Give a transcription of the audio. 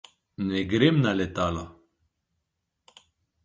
Ne gremo na letalo.